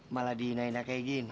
malah diinah inah kayak gini